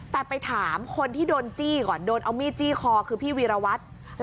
แต่ไปถามคนที่โดนจี้ก่อนโดนเอามีดจี้คอคือพี่วีรวัตร